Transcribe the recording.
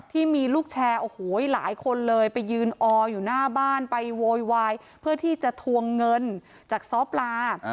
ที่มีลูกแชร์โอ้โหหลายคนเลยไปยืนอออยู่หน้าบ้านไปโวยวายเพื่อที่จะทวงเงินจากซ้อปลา